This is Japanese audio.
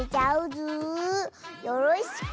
よろしく！